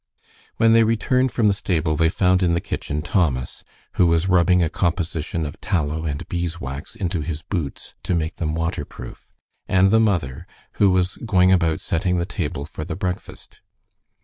When they returned from the stable they found in the kitchen Thomas, who was rubbing a composition of tallow and bees wax into his boots to make them water proof, and the mother, who was going about setting the table for the breakfast.